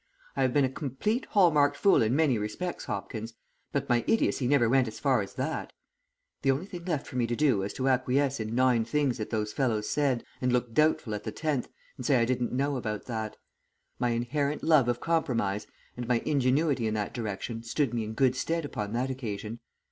I have been a complete hall marked fool in many respects, Hopkins, but my idiocy never went as far as that. The only thing left for me to do was to acquiesce in nine things that those fellows said, and look doubtful at the tenth and say I didn't know about that; my inherent love of compromise and my ingenuity in that direction stood me in good stead upon that occasion.